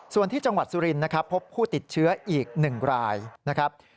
ส่วนที่จังหวัดสุรินทร์นะครับพบผู้ติดเชื้ออีก๑รายนะครับ